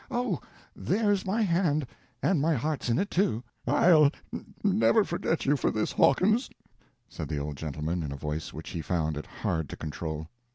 "Oh, there's my hand; and my heart's in it, too!" "I'll never forget you for this, Hawkins," said the old gentleman in a voice which he found it hard to control.